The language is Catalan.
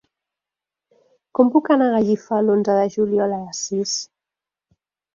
Com puc anar a Gallifa l'onze de juliol a les sis?